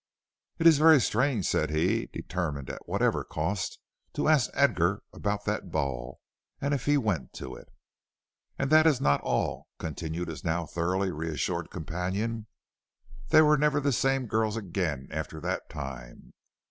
"It is very strange," said he, determined at whatever cost to ask Edgar about that ball, and if he went to it. "And that is not all," continued his now thoroughly reassured companion. "They were never the same girls again after that time.